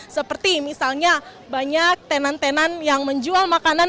seperti misalnya banyak tenan tenan yang menjual makanan